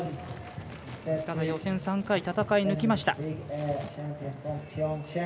ただ、予選３回戦い抜きました。